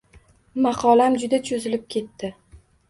Maqolam juda cho’zilib ketdi